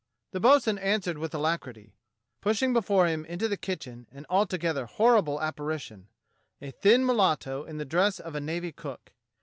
The bo'sun answered with alacrity, pushing before him into the kitchen an altogether horrible apparition : a thin mulatto in the dress of a navy cook.